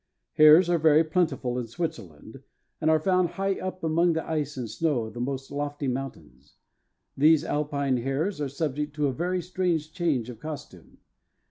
Hares are very plentiful in Switzerland, and are found high up among the ice and snow of the most lofty mountains. These Alpine hares are subject to a very strange change of costume.